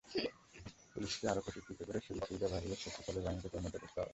পুলিশকে আরও প্রশিক্ষিত করে এবং সুযোগ-সুবিধা বাড়িয়ে শক্তিশালী বাহিনীতে পরিণত করতে হবে।